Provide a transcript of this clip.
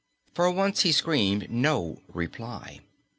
For once he screamed no reply.